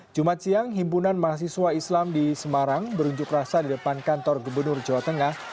jumat siang himpunan mahasiswa islam di semarang berunjuk rasa di depan kantor gubernur jawa tengah